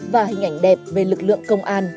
và hình ảnh đẹp về lực lượng công an